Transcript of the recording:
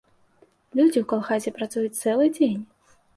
Людзі ў калгасе працуюць цэлы дзень.